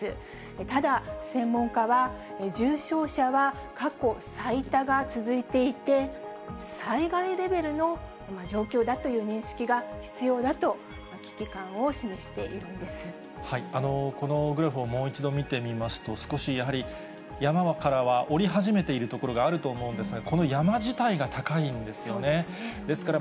ただ、専門家は、重症者は過去最多が続いていて、災害レベルの状況だという認識が必要だと、危機感を示しているんこのグラフをもう一度見てみますと、少しやはり、山からは下り始めているところがあると思うんですが、この山自体が高いんですよね。